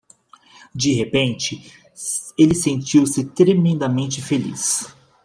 De repente, ele sentiu-se tremendamente feliz.